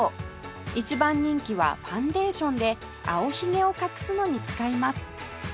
一番人気はファンデーションで青ひげを隠すのに使います